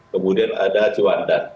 kemudian ada cuandat